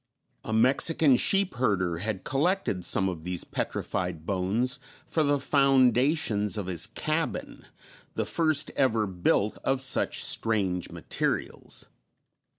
A Mexican sheep herder had collected some of these petrified bones for the foundations of his cabin, the first ever built of such strange materials.